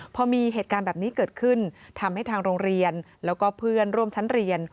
พอมีเหตุการณ์แบบนี้เกิดขึ้นทำให้ทางโรงเรียนแล้วก็เพื่อนร่วมชั้นเรียน